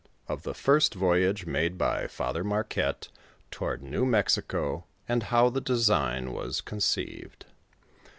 OF THE FIRST VOYAGE MADE BY FATHER MAHqUETTE TOWARD NEW MEXICO, AND HOW THE DESIGN WAS CONCEIVED.